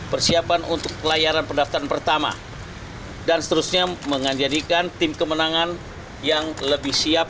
persiapan untuk pelayaran pendaftaran pertama dan seterusnya menjadikan tim kemenangan yang lebih siap